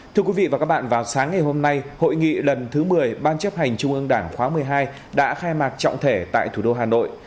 thưa quý vị và các bạn vào sáng ngày hôm nay hội nghị lần thứ một mươi ban chấp hành trung ương đảng khóa một mươi hai đã khai mạc trọng thể tại thủ đô hà nội